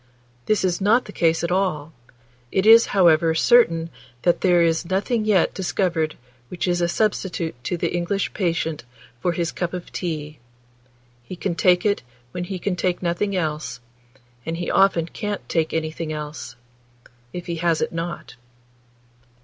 This is not the case at all; it is, however, certain that there is nothing yet discovered which is a substitute to the English patient for his cup of tea; he can take it when he can take nothing else, and he often can't take anything else, if he has it not.